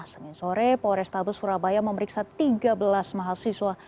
semisore polrestabes surabaya memeriksa tiga belas mahasiswa